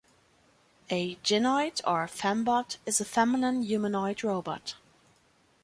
A gynoid, or fembot, is a feminine humanoid robot.